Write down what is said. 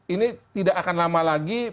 ini tidak akan lama lagi